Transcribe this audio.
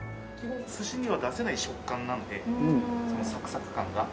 寿司には出せない食感なのでそのサクサク感が。